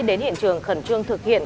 đến hiện trường khẩn trương thực hiện